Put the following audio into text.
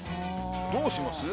どうします？